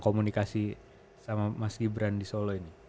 komunikasi sama mas gibran di solo ini